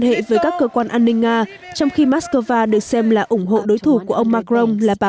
hệ với các cơ quan an ninh nga trong khi moscow được xem là ủng hộ đối thủ của ông macron là bà